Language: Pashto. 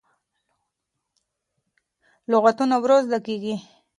لغتونه ورو زده کېږي.